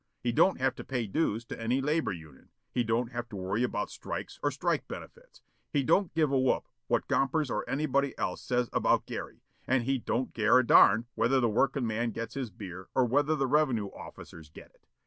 He don't have to pay dues to any labor union, he don't have to worry about strikes or strike benefits, he don't give a whoop what Gompers or anybody else says about Gary, and he don't care a darn whether the working man gets his beer or whether the revenue officers get it.